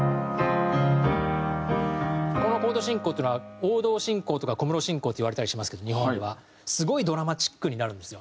このコード進行っていうのは王道進行とか小室進行っていわれたりしますけど日本では。すごいドラマチックになるんですよ。